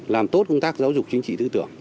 làm tốt công tác giáo dục chính trị tư tưởng